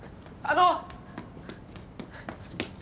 あの！